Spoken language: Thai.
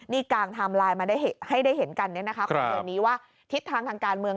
นี่กางไทม์ไลน์มาให้ได้เห็นกันของเดือนนี้ว่าทิศทางทางการเมือง